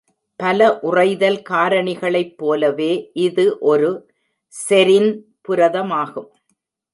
பல உறைதல் காரணிகளைப் போலவே, இது ஒரு செரின் புரதமாகும்.